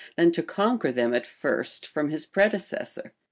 than to conquer them at first from his predecessor.